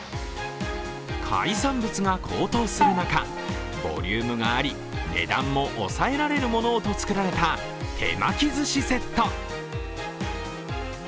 海産物が高騰する中ボリュームがあり値段も抑えられるものをと作られた手巻きずしセット。